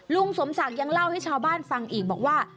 ลุงสมศักดิ์ยังเล่าให้ชาวบ้านฟังอีกบอกว่า